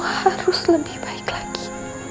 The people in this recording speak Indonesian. harus lebih baik lagi